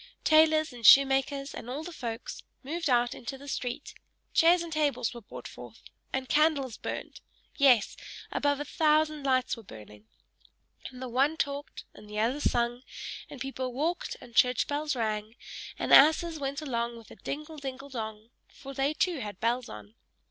Tailors, and shoemakers, and all the folks, moved out into the street chairs and tables were brought forth and candles burnt yes, above a thousand lights were burning and the one talked and the other sung; and people walked and church bells rang, and asses went along with a dingle dingle dong! for they too had bells on.